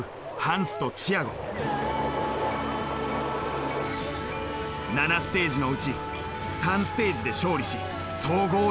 ７ステージのうち３ステージで勝利し総合優勝。